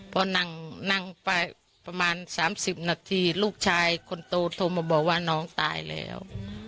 พอนั่งไปประมาณ๓๐นาทีลูกชายคนโตโทรมาบอกว่าน้องตายแล้ว